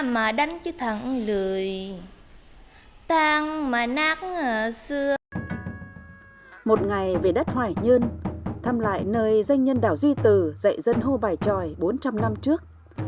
một ngày về đất hoài nhơn thăm lại nơi doanh nhân đảo duy từ dạy dân hô bài tròi bốn trăm linh năm trước